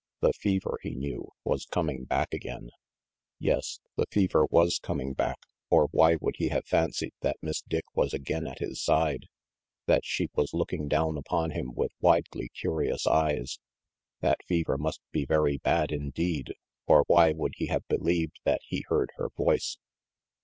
The fever, he knew, was coming back again Yes, the fever was coming back, or why would he have fancied that Miss Dick was again at his side, that she was looking down upon him with widely curious eyes? That fever must be very bad indeed, or why would he have believed that he heard her voice?